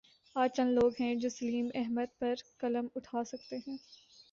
آج چند لوگ ہیں جو سلیم احمد پر قلم اٹھا سکتے ہیں۔